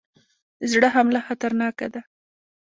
د زړه حمله خطرناکه ده